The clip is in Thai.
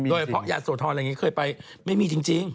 โดยพร้อมขอนรวมหลัยสวทอธรณ์เนี่ยเคยไปไม่มีจริง